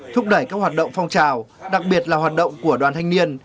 thúc đẩy các hoạt động phong trào đặc biệt là hoạt động của đoàn thanh niên